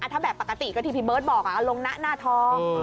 ถ้าแบบปกติก็ที่พี่เบิร์ตบอกลงหน้าท้อง